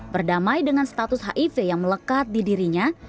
berdamai dengan status hiv yang melekat di dirinya